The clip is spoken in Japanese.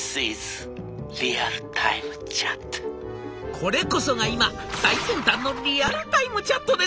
「これこそが今最先端のリアルタイムチャットです。